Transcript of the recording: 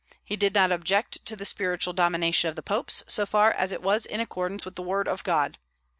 He did not object to the spiritual domination of the popes, so far as it was in accordance with the word of God.